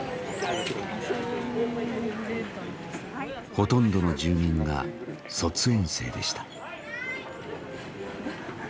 ほとんどの住民が卒園生でした。